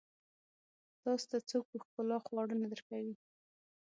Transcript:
تاسو ته څوک په ښکلا خواړه نه درکوي.